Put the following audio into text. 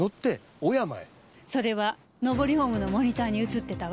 それは上りホームのモニターに映ってたわ。